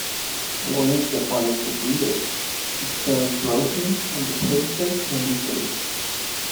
Once Jaffar is defeated, his spell is broken and the Princess can be saved.